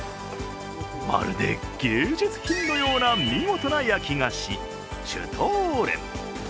まるで芸術品のような見事な焼き菓子シュ兎レン。